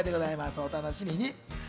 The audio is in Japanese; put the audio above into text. お楽しみに。